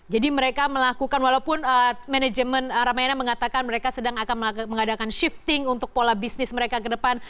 jadi mereka melakukan walaupun manajemen ramayana mengatakan mereka sedang akan mengadakan shifting untuk pola bisnis mereka ke depan